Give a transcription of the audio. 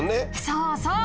そうそう。